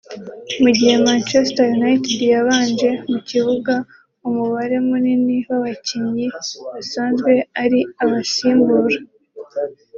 Mu gihe Manchester United yabanje mu kibuga umubare munini w’abakinnyi basanzwe ari abasimbura